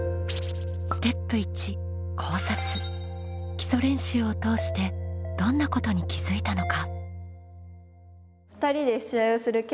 基礎練習を通してどんなことに気づいたのか？